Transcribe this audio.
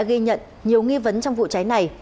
ghi nhận nhiều nghi vấn trong vụ trái này